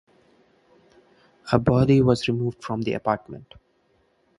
A body was removed from the apartment.